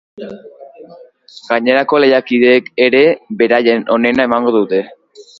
Gainerako lehiakideek ere, beraien onena emango dute.